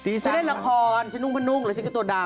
ฉันเล่นละครฉันนุ่งพนุ่งแล้วฉันก็ตัวดาว